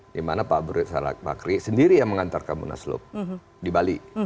dimana pak brutal bakri sendiri yang mengantarkan munaslup di bali